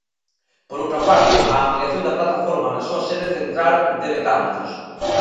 Por outra parte, a ampliación da plataforma na súa sede central de Betanzos.